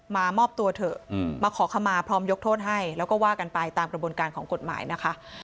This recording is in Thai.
มามอบตัวเถอะมาขอขมาพร้อมยกโทษให้แล้วก็ว่ากันไปตามกระบวนการของกฎหมายนะคะ